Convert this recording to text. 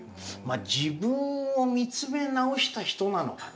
まあ自分を見つめ直した人なのかな。